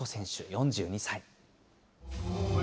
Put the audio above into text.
４２歳。